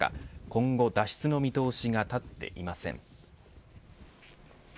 今後、脱出の見通しが立っていません。